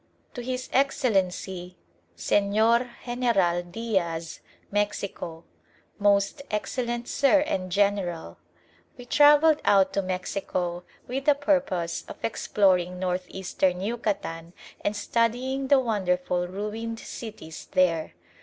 To His Excellency Señor General Diaz, Mexico MOST EXCELLENT SIR AND GENERAL, We travelled out to Mexico with the purpose of exploring North Eastern Yucatan and studying the wonderful ruined cities there.